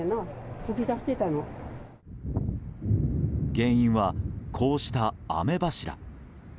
原因は、こうした雨柱。